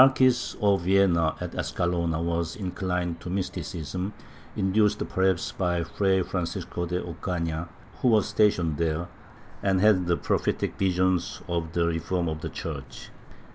8 MYSTICISM [Book VIII Villena, at Escalona, was inclined to mysticism, induced perhaps by Fray Francisco de Ocana, who was stationed there and had prophetic visions of the reform of the Church.